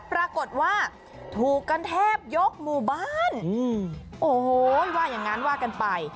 ปรากฏว่าถูกกันแทบยกหมู่บ้านโอ้โหว่าอย่างนั้นว่ากันไป